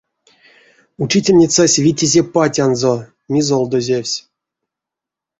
Учительницась витизе пацянзо, мизолдозевсь.